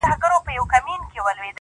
په تعظيم ورته قاضي او وزيران سول.!